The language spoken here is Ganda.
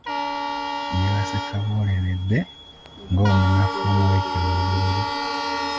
Yebaase kaboleredde nga omunafu omulekere obuliri .